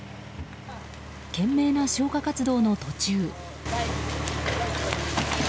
懸命な消火活動の途中。